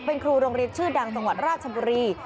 เป็นครูโรงเรียนชื่อดังจังหวัดราชบุรี